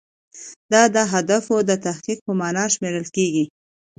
دا د اهدافو د تحقق په معنا شمیرل کیږي.